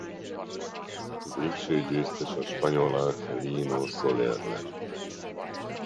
Végső győztes a spanyol Angelino Soler lett.